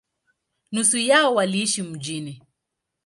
Nusu yao waliishi mjini.